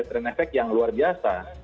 efek jera yang luar biasa